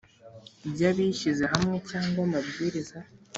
by abishyizehamwe cyangwa amabwiriza